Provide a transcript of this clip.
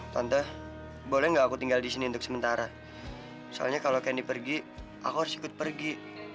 contoh boleh nggak aku tinggal di sini untuk sementara soalnya kalau kenny pergi aku harus ikut pergi